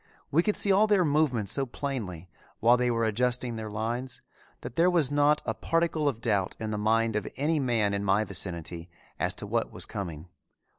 We could see all their movements so plainly, while they were adjusting their lines, that there was not a particle of doubt in the mind of any man in my vicinity as to what was coming.